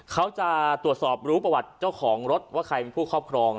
เขาจะตรวจสอบรู้ประวัติเจ้าของรถว่าใครเป็นผู้ครอบครอง